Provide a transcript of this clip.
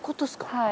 はい。